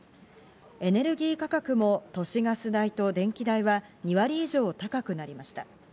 エネルギー価格も都市ガス代と電気代は２割以上、高くなりました。